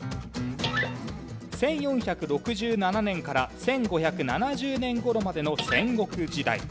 １４６７年から１５７０年頃までの戦国時代。